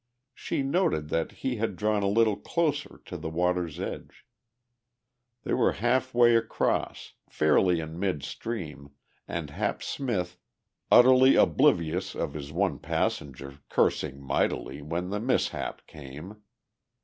She noted that he had drawn a little closer to the water's edge. They were half way across, fairly in midstream, and Hap Smith, utterly oblivious of his one passenger, cursing mightily, when the mishap came.